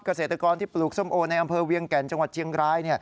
เกษตรกรที่ปลูกส้มโอในอำเภอเวียงแก่นจังหวัดเชียงราย